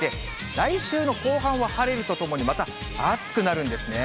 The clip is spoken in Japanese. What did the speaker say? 来週の後半は晴れるとともに、また暑くなるんですね。